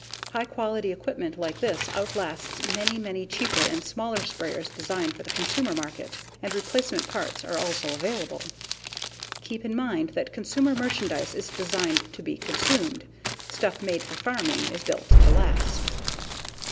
High quality equipment like this outlasts many, many cheaper and smaller sprayers designed for the consumer market, and replacement parts are also available. Keep in mind that consumer merchandise is designed to be consumed; stuff made for farming is built to last.